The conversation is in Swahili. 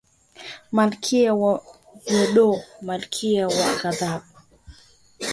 Malkia wa voodoo, malkia wa ghadhabu